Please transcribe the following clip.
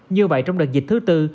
như vậy trong đợt dịch thứ bốn